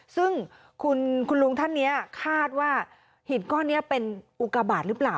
ซึ่งคุณลุงท่านนี้คาดว่าหินก้อนนี้เป็นอุกาบาทหรือเปล่า